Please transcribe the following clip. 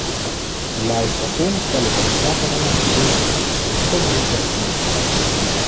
La estación está localizada en una región esencialmente residencial.